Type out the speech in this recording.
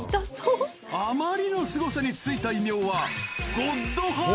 ［あまりのすごさに付いた異名は］